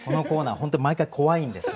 本当に毎回怖いんです。